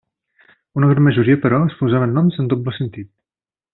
Una gran majoria, però, es posaven noms amb doble sentit.